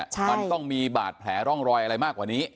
มันต้องมีบาดแผลร่องรอยอะไรมากกว่านี้